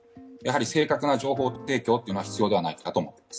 正確な情報提供が必要ではないかと思っています。